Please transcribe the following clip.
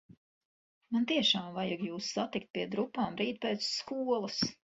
Man tiešām vajag jūs satikt pie drupām rīt pēc skolas.